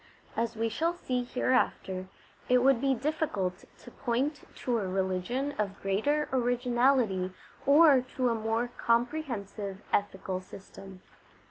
As we shall see INTRODUCTION Iv hereafter, it would be difficult to point to a religion of greater originality or to a more comprehensive ethical system.